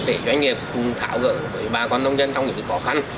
để doanh nghiệp cũng thảo gỡ bà con nông dân trong những khó khăn